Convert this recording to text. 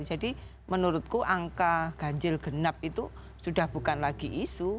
jadi menurutku angka ganjil genap itu sudah bukan lagi isu